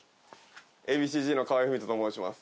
Ａ．Ｂ．Ｃ−Ｚの河合郁人と申します。